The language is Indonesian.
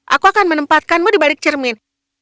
aku akan menempatkanmu di balik cermin